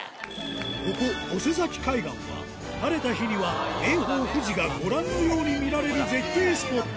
ここ大瀬崎海岸は晴れた日には名峰富士がご覧のように見られる絶景スポット